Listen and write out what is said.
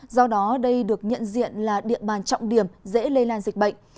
do đó đây được nhận diện là địa bàn trọng điểm dễ lây lan dịch bệnh